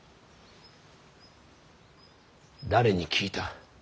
誰に聞いた。